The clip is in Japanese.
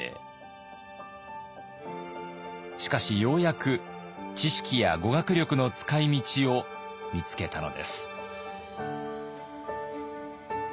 しかしようやく知識や語学力の使いみちを見つけたのです。